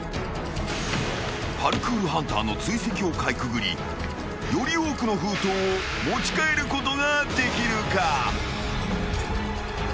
［パルクールハンターの追跡をかいくぐりより多くの封筒を持ち帰ることができるか？］